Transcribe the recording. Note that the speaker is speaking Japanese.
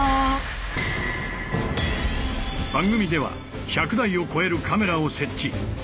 番組では１００台を超えるカメラを設置。